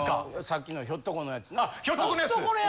さっきのひょっとこのやつな。